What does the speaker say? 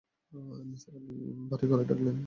নিসার আলি ভারি গলায় ডাকলেন, নিজাম!